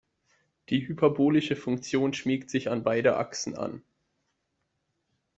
Die hyperbolische Funktion schmiegt sich an beide Achsen an.